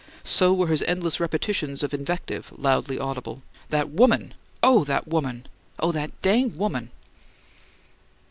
So were his endless repetitions of invective loudly audible: "That woman! Oh, that woman; Oh, that danged woman!"